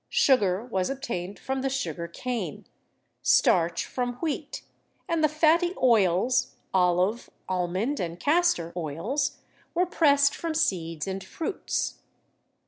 Sugar was obtained from the sugar cane, starch from wheat, and the fatty oils (olive, almond and castor oils) were pressed from seeds and fruits.